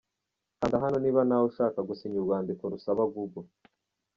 Kanda hano niba na we ushaka gusinya urwandiko rusaba Google.